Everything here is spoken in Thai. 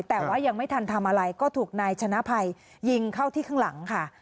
แต่ว่ายังไม่ทันทำอะไรก็ถูกนายชนะภัยยิงเข้าที่ข้างหลังค่ะ